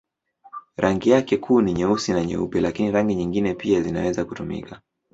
Rangi yake kuu ni nyeusi na nyeupe, lakini rangi nyingine pia zinaweza kutumika.